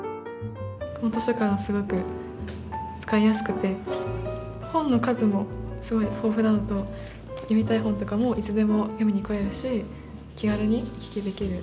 この図書館すごく使いやすくて本の数もすごい豊富なのと読みたい本とかもいつでも読みに来れるし気軽に行き来できる。